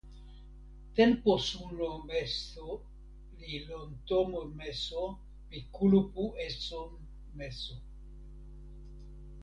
tenpo suno meso li lon tomo meso pi kulupu esun meso.